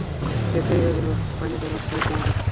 ব্যাস তৈরি হয়ে গেল pineapple upside down cake.